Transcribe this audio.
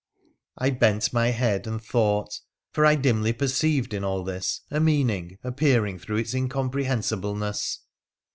I bent my head and thought, for I dimly perceived in all this a meaning appearing through its incomprehensibleness.